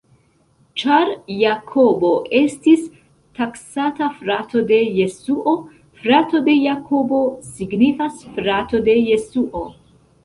Ĉar Jakobo estis taksata frato de Jesuo, frato de Jakobo signifas frato de Jesuo.